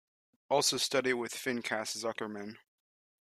Also studied with Pinchas Zukerman.